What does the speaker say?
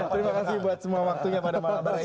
terima kasih buat semua waktunya pada malam hari ini